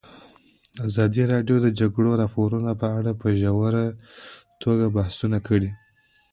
ازادي راډیو د د جګړې راپورونه په اړه په ژوره توګه بحثونه کړي.